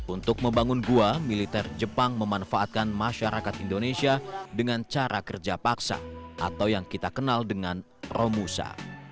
untuk membangun gua militer jepang memanfaatkan masyarakat indonesia dengan cara kerja paksa atau yang kita kenal dengan romusa